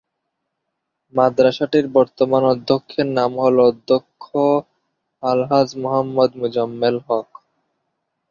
মাদ্রাসাটির বর্তমান অধ্যক্ষের নাম অধ্যক্ষ আলহাজ্ব মোহাম্মদ মোজাম্মেল হক।